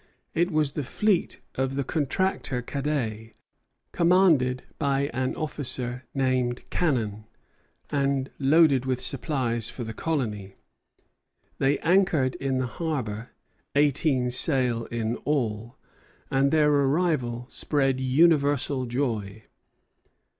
It was the fleet of the contractor Cadet, commanded by officer named Kanon, and loaded with supplies for the colony. They anchored in the harbor, eighteen sail in all, and their arrival spread universal joy.